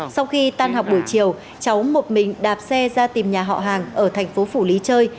sau khi tan học buổi chiều cháu một mình đạp xe ra tìm nhà họ hàng ở thành phố phủ lý chơi